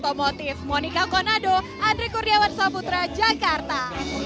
otomotif monika konado andri kuriawan sabutra jakarta